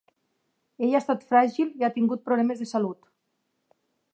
Ella ha estat fràgil i ha tingut problemes de salut.